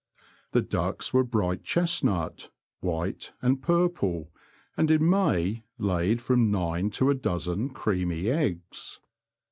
The ducks were bright chestnut, white, and purple, and in May laid from nine to a dozen creamy eggs.